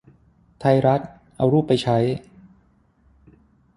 ไทยรัฐ เอารูปไปใช้